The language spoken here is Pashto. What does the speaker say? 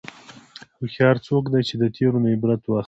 هوښیار څوک دی چې د تېرو نه عبرت اخلي.